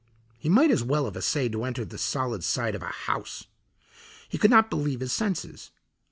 He might as well have essayed to enter the solid side of a house. He could not believe his senses.